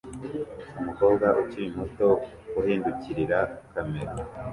Umukobwa ukiri muto uhindukirira kamera